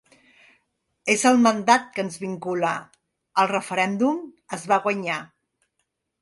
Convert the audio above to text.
És el mandat que ens vincula, el referèndum es va guanyar.